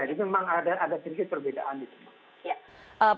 jadi memang ada sedikit perbedaan di sana